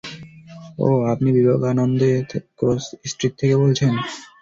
ওহ আপনি Vivekananda Cross Street থেকে বলছেন!